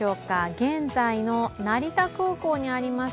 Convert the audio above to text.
現在の成田空港にあります